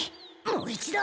もう一度！